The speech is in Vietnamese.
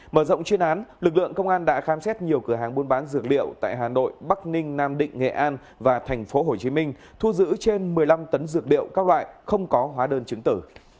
mở rộng chuyên án lực lượng công an đã khám xét nhiều cửa hàng buôn bán dược liệu tại hà nội bắc ninh nam định nghệ an và tp hcm thu giữ trên một mươi năm tấn dược liệu các loại không có hóa đơn chứng tử